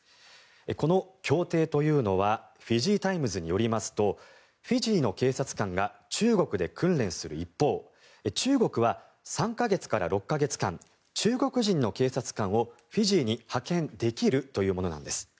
この協定というのはフィジータイムズによりますとフィジーの警察官が中国で訓練する一方中国は３か月から６か月間中国人の警察官をフィジーに派遣できるというものなんです。